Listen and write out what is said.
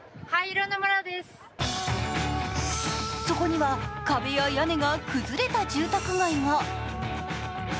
そこには壁や屋根が崩れた住宅街が。